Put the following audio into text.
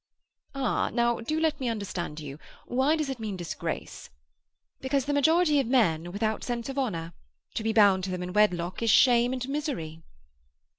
"Ah! Now do let me understand you. Why does it mean disgrace?" "Because the majority of men are without sense of honour. To be bound to them in wedlock is shame and misery."